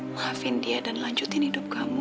maafin dia dan lanjutin hidup kamu